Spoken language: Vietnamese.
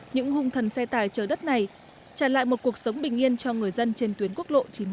những hung thần xe tải trở đất này trả lại một cuộc sống bình yên cho người dân trên tuyến quốc lộ chín mươi một c